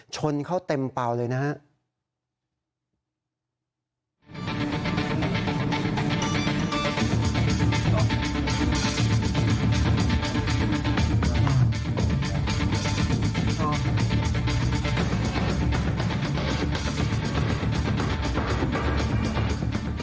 ชนเข้าเต็มเปล่าเลยนะครับ